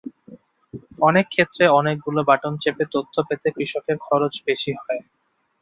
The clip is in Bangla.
অনেক ক্ষেত্রে অনেকগুলো বাটন চেপে তথ্য পেতে কৃষকের খরচ বেশি হয়।